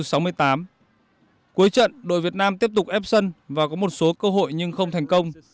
cuối trận đội việt nam tiếp tục ép sân và có một số cơ hội nhưng không thành công